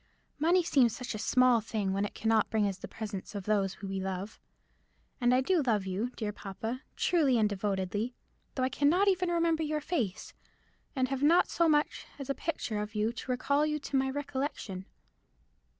Money seems such a small thing when it cannot bring us the presence of those we love. And I do love you, dear papa, truly and devotedly, though I cannot even remember your face, and have not so much as a picture of you to recall you to my recollection."